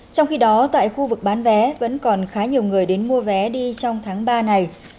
trong khi đó tại khu vực bán vé vẫn còn khá nhiều người đến mua vé đi trong tháng ba này